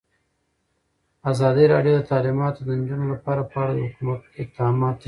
ازادي راډیو د تعلیمات د نجونو لپاره په اړه د حکومت اقدامات تشریح کړي.